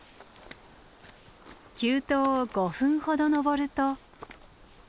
急登を５分ほど登ると。